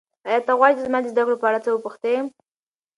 ایا ته غواړې چې زما د زده کړو په اړه څه وپوښتې؟